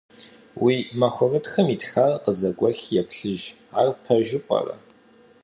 Уи махуэрытхым итхар къызэгуэхи еплъыж, ар пэжу пӀэрэ?